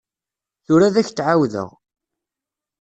Tura ad ak-d-ɛawdeɣ.